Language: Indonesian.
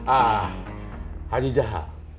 ah haji jahat